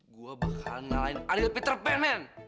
gue bakal nyalain ariel peter pan men